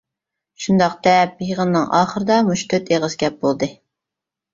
شۇنداق دەپ، يىغىننىڭ ئاخىرىدا مۇشۇ تۆت ئېغىز گەپ بولدى.